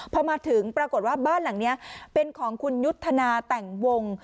พอมาถึงปรากฏว่าบ้านหลังนี้เป็นของคุณยุทธนาแต่งวง